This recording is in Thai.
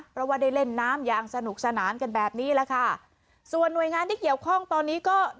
เพราะว่าได้เล่นน้ำอย่างสนุกสนานกันแบบนี้แหละค่ะส่วนหน่วยงานที่เกี่ยวข้องตอนนี้ก็